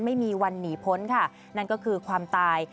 ไม่มีวันหนีพ้นค่ะนั่นก็คือความตาย